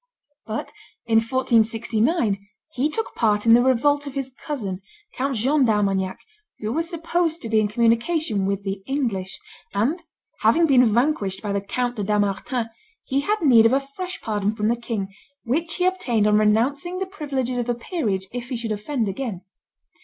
But, in 1469, he took part in the revolt of his cousin, Count John d'Armagnac, who was supposed to be in communication with the English; and having been vanquished by the Count de Dampmartin, he had need of a fresh pardon from the king, which he obtained on renouncing the privileges of the peerage if he should offend again.